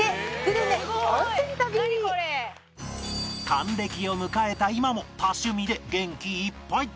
還暦を迎えた今も多趣味で元気いっぱい